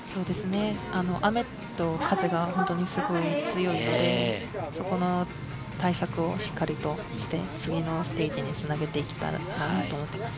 雨と風が本当にすごい強いので、そこの対策をしっかりして次のステージにつなげていけたらいいと思っています。